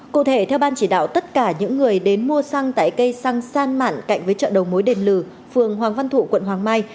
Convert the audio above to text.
cụ thể theo ban chỉ đạo tất cả những người đến mua xăng tại cây xăng san mạn cạnh với chợ đầu mối đền lừ phường hoàng văn thụ quận hoàng mai